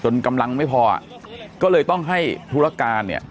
กำลังไม่พออ่ะก็เลยต้องให้ธุรการเนี่ย